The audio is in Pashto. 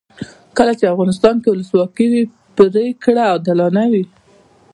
کله چې افغانستان کې ولسواکي وي پرېکړې عادلانه وي.